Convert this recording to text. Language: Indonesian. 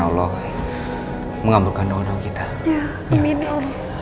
oh pastinya ibu tidak tahu apa apa gitu ya